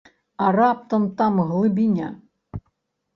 А раптам там глыбіня?